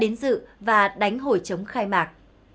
đã đến dự và đánh hội chống khai mạc